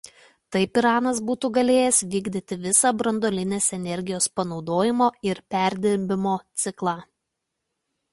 Taip Iranas būtų galėjęs vykdyti visą branduolinės energijos panaudojimo ir perdirbimo ciklą.